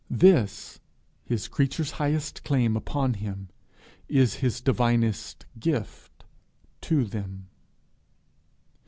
This, his creatures' highest claim upon him, is his divinest gift to them.